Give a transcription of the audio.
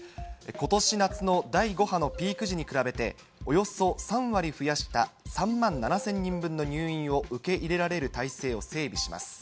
ことし夏の第５波のピーク時に比べて、およそ３割増やした３万７０００人分の入院を受け入れられる体制を整備します。